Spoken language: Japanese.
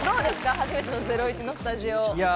初めての『ゼロイチ』のスタジオ。